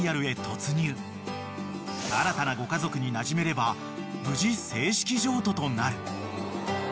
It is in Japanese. ［新たなご家族になじめれば無事正式譲渡となる］